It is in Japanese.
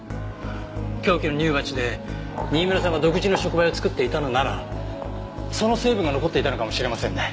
凶器の乳鉢で新村さんが独自の触媒を作っていたのならその成分が残っていたのかもしれませんね。